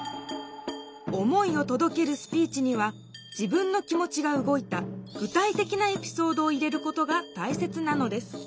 思いを届けるスピーチには自分の気持ちが動いた具体的なエピソードを入れることがたいせつなのです。